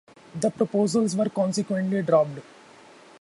The proposals were consequently dropped.